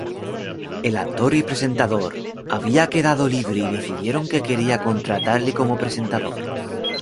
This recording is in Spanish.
El actor y presentador había quedado libre y decidieron que quería contratarle como presentador.